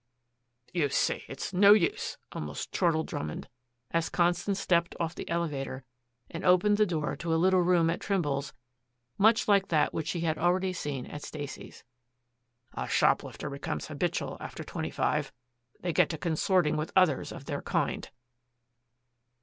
"You see, it's no use," almost chortled Drummond as Constance stepped off the elevator and opened the door to a little room at Trimble's much like that which she had already seen at Stacy's. "A shoplifter becomes habitual after twenty five. They get to consorting with others of their kind."